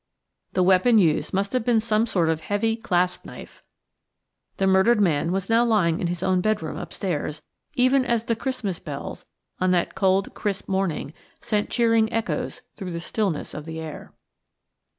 The weapon used must have been some sort of heavy, clasp knife. The murdered man was now lying in his own bedroom upstairs, even as the Christmas bells on that cold, crisp morning sent cheering echoes through the stillness of the air.